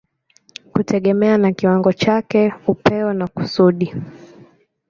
kutegemea na kiwango chake, upeo na kusudi.